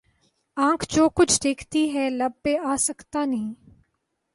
آنکھ جو کچھ دیکھتی ہے لب پہ آ سکتا نہیں